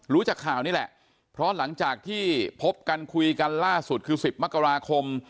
จากข่าวนี่แหละเพราะหลังจากที่พบกันคุยกันล่าสุดคือ๑๐มกราคม